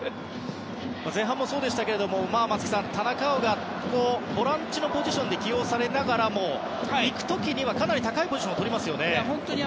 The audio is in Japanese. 前半もそうでしたが松木さん、田中碧がボランチのポジションで起用されながらも行く時にはかなり高いポジションをとりますよね。